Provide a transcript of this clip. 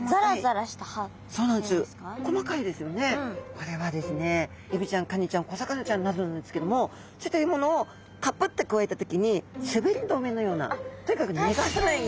これはですねエビちゃんカニちゃん小魚ちゃんなどなんですけどもそういった獲物をカプッてくわえた時にすべり止めのようなとにかく逃がさないような役目ですね。